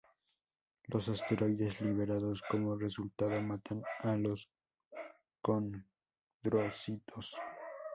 Los esteroides liberados como resultado matan a los condrocitos.